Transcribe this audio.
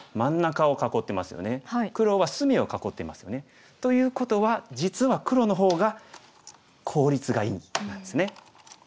黒は隅を囲ってますよね。ということは実は黒の方が効率がいいんですね。